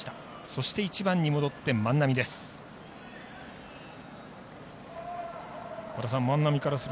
そして、１番に戻って万波です。